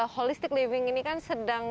holistic living ini kan sedang